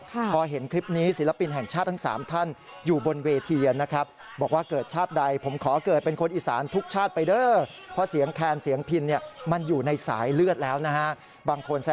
พอเห็นคลิปนี้ศิลปินแห่งชาติทั้ง๓ท่านอยู่บนเวทีนะครับ